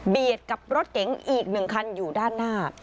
เบียดกับรถเก๋งอีกหนึ่งคันอยู่ด้านหน้า